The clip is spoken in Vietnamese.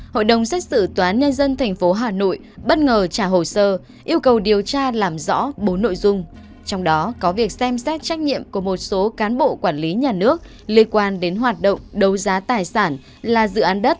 hãy đăng ký kênh để ủng hộ kênh của chúng mình nhé